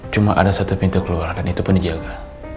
cuma ada satu pintu keluar dan itu pun dijaga